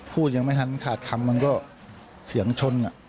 ยังไม่ทันขาดคำมันก็เสียงชน